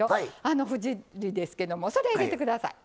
あのフジッリですけどもそれ入れてください。